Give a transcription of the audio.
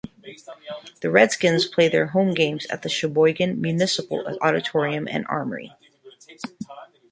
The Red Skins played their home games at the Sheboygan Municipal Auditorium and Armory.